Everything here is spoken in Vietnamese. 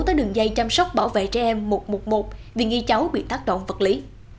tới đường dây chăm sóc bảo vệ trẻ em một trăm một mươi một vì nghi cháu bị tác động vật lý